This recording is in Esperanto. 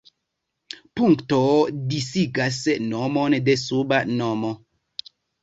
Punkto disigas nomon de suba nomo.